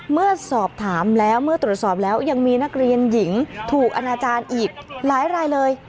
เมื่อสอบถามแล้วเมื่อตรวจสอบแล้วยังมีนักเรียนหญิงถูกอนาจารย์อีกหลายรายเลย